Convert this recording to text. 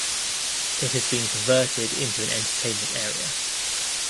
It has been converted into an entertainment area.